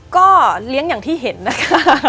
ก็เลี้ยงอย่างที่เห็นนะคะ